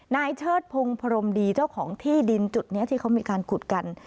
เชิดพงศ์พรมดีเจ้าของที่ดินจุดนี้ที่เขามีการขุดกัน